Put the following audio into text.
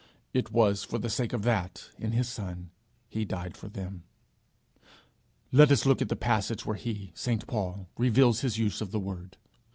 It was for the sake of this that, in his Son, he died for them. Let us look at the passage where he reveals his use of the word.